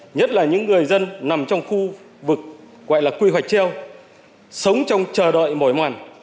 nhất là những người dân nằm trong khu vực gọi là quy hoạch treo sống trong chờ đợi mỏi mòn